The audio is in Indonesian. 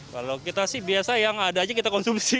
kalau kita sih biasa yang ada aja kita konsumsi